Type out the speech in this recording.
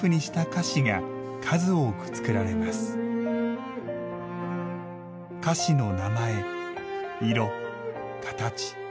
菓子の名前、色、形。